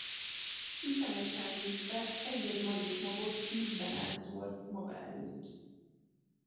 Ütemesen lépve egy-egy marék magot ívben elszór maga előtt.